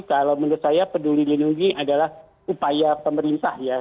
kalau menurut saya peduli lindungi adalah upaya pemerintah ya